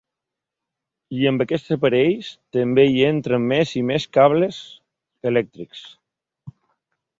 I, amb aquests aparells, també hi entren més i més cables elèctrics.